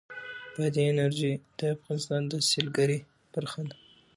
بادي انرژي د افغانستان د سیلګرۍ برخه ده.